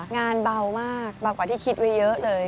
งานเบามากเบากว่าที่คิดไว้เยอะเลย